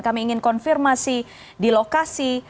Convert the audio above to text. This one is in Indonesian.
kami ingin konfirmasi di lokasi